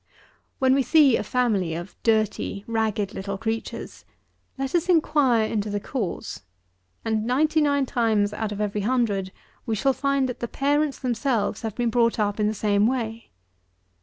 89. When we see a family of dirty, ragged little creatures, let us inquire into the cause; and ninety nine times out of every hundred we shall find that the parents themselves have been brought up in the same way.